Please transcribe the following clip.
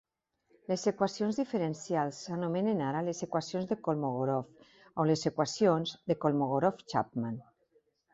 Les equacions diferencials s'anomenen ara les equacions de Kolmogorov o les equacions de Kolmogorov-Chapman.